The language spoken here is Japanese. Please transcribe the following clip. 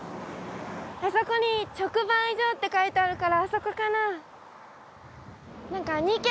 あそこに「直売所」って書いてあるからあそこかな。